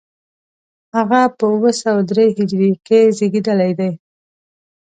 هغه په اوه سوه درې هجري کې زېږېدلی دی.